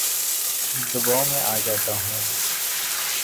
دباو میں آ جاتا ہوں